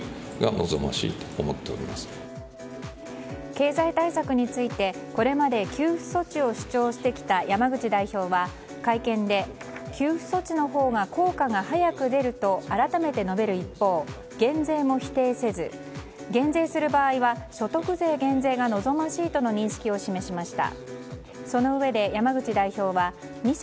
経済対策についてこれまで給付措置を主張してきた山口代表は、会見で給付措置のほうが効果が早く出ると改めて述べる一方減税も否定せず減税する場合は所得税減税が望ましいとの認識を示しました。